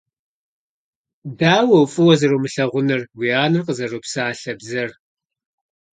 Дауэ фӀыуэ зэрумылъагъунур уи анэр къызэропсалъэ бзэр.